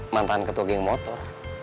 mantan ketua geng motor